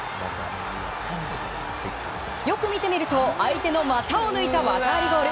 よく見てみると相手の股を抜いた技ありゴール。